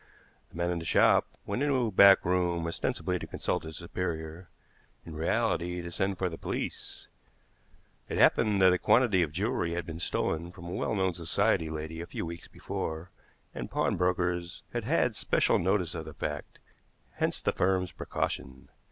The man in the shop went into a back room ostensibly to consult his superior, in reality to send for the police. It happened that a quantity of jewelry had been stolen from a well known society lady a few weeks before, and pawnbrokers had had special notice of the fact; hence the firm's precaution.